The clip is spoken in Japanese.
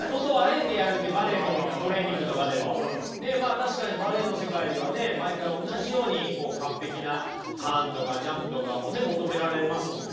確かにバレエの世界ではね毎回同じように完璧なターンとかジャンプとかもね求められますもんね。